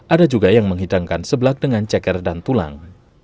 ada juga yang menghidangkan seblak dengan ceker dan tulang